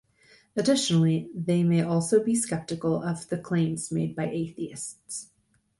Additionally, they may also be skeptical of the claims made by atheists.